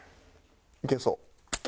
いけそう。